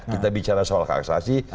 kita bicara soal hak asasi